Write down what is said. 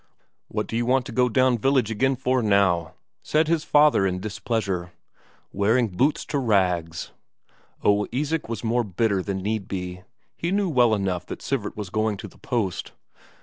"What you want to go down village again for now?" said his father in displeasure. "Wearing boots to rags...." Oh, Isak was more bitter than need be; he knew well enough that Sivert was going to the post.